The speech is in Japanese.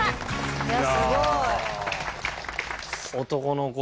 いやすごい。